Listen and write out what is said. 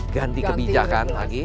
ganti kebijakan lagi